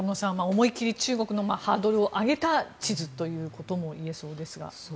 思い切り中国のハードルを上げた地図ということもいえそうですが。